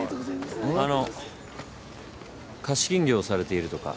あの貸金業をされているとか。